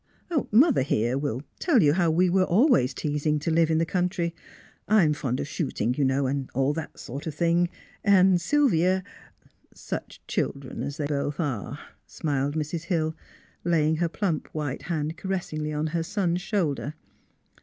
'* Mother, here, will tell you how we were al ways teasing to live in the country; I'm fond of shooting, you know, and all that sort of thing; and Sylvia "'* Such children as they both are," smiled Mrs. Hill, laying her plump white hand caressingly on her son's shoulder.